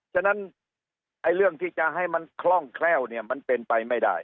ฉะนั้นเรื่องที่จะให้มันคล่องแคล่วเนี่ยมันเป็นไปไม่ได้